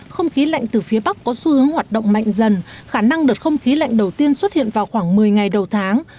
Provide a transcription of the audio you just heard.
không khí lạnh từ phía bắc có xu hướng hoạt động mạnh dần khả năng đợt không khí lạnh đầu tiên xuất hiện vào khoảng một mươi ngày đầu tháng